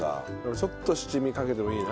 ちょっと七味かけてもいいな。